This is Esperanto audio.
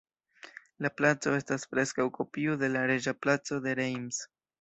La placo estas preskaŭ kopio de la Reĝa Placo de Reims.